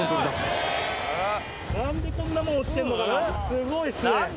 すごいですね